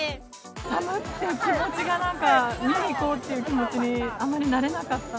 寒くて気持ちがなんか、見に行こうっていう気持ちに、あまりなれなかった。